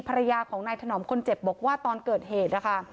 ภรรยาของนายถนอมคนเจ็บบอกว่าตอนเกิดเหตุนะคะ